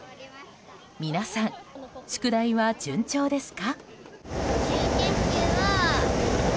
皆さん、宿題は順調ですか？